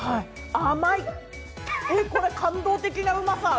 甘い、これ、感動的なうまさ。